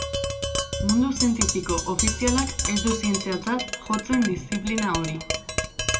Mundu zientifiko ofizialak ez du zientziatzat jotzen diziplina hori.